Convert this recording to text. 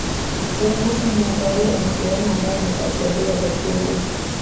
Lugha rasmi na ya kawaida ni Kireno, ambayo ni kati ya lugha za Kirumi.